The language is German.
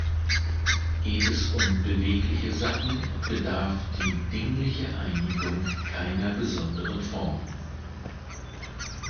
Geht es um bewegliche Sachen, bedarf die dingliche Einigung keiner besonderen Form.